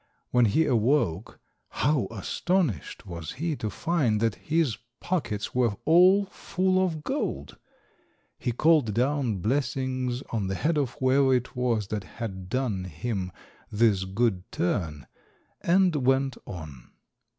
When he awoke, how astonished was he to find that his pockets were all full of gold! He called down blessings on the head of whoever it was that had done him this good turn, and went on.